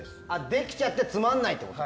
できちゃってつまんないと。